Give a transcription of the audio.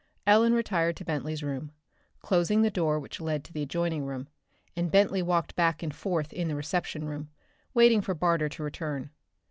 Ellen retired in Bentley's room, closing the door which led to the adjoining room, and Bentley walked back and forth in the reception room, waiting for Barter to return.